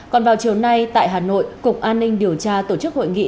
còn vào chiều nay tại hà nội cục an ninh điều tra tổ chức hội nghị